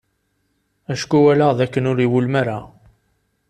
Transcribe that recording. Acku walaɣ d akken ur iwulem ara.